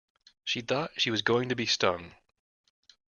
She thought she was going to be stung.